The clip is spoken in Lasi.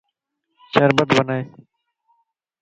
شربت بنائي